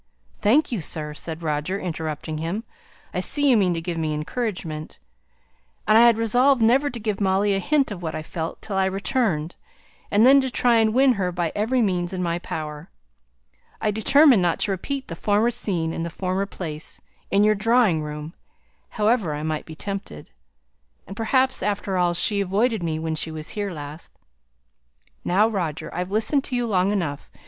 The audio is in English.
"Thank you, sir!" said Roger, interrupting him. "I see you mean to give me encouragement. And I had resolved never to give Molly a hint of what I felt till I returned, and then to try and win her by every means in my power. I determined not to repeat the former scene in the former place, in your drawing room, however I might be tempted. And perhaps, after all, she avoided me when she was here last." "Now, Roger, I've listened to you long enough.